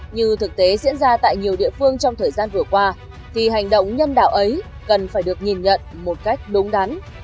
như thực tế diễn ra tại nhiều địa phương trong thời gian vừa qua thì hành động nhân đạo ấy cần phải được nhìn nhận một cách đúng đắn